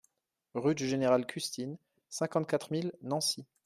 Rue du Général Custine, cinquante-quatre mille Nancy